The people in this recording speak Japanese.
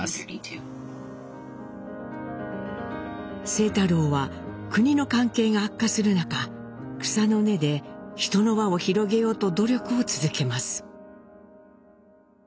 清太郎は国の関係が悪化する中草の根で人の輪を広げようと努力を続けます。